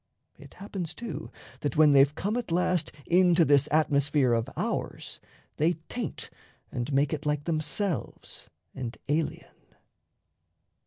It happens, too, that when they've come at last Into this atmosphere of ours, they taint And make it like themselves and alien.